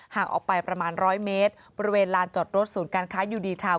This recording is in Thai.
ห่างออกไปประมาณร้อยเมตรบริเวณลานจอดรถศูนย์การค้ายูดีชาว